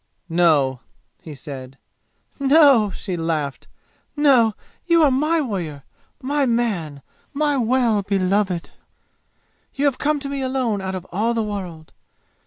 "No," he said. "No!" she laughed. "No! You are my warrior my man my well beloved! You have come to me alone out of all the world!